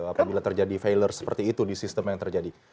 apabila terjadi failer seperti itu di sistem yang terjadi